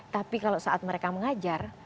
tapi kalau saat mereka mengajar